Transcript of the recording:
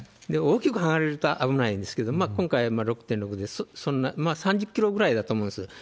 大きく剥がれると危ないんですけど、今回、６．６でそんな、３０キロぐらいだと思うんです。